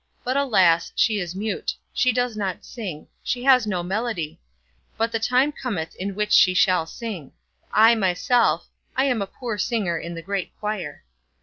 But alas! she is mute. She does not sing. She has no melody. But the time cometh in which she shall sing. I, myself, I am a poor singer in the great choir."